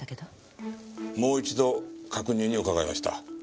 もう一度確認に伺いました。